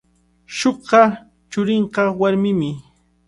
Shullka churinqa warmimi.